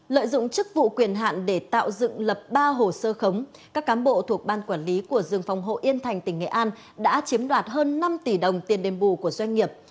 lợi dụng chức vụ quyền hạn để tạo dựng lập ba hồ sơ khống các cám bộ thuộc ban quản lý của rừng phòng hộ yên thành tỉnh nghệ an đã chiếm đoạt hơn năm tỷ đồng tiền đền bù của doanh nghiệp